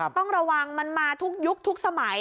ต้องระวังมันมาทุกยุคทุกสมัย